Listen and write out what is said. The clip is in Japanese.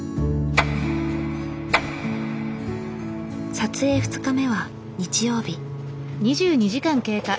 撮影２日目は日曜日。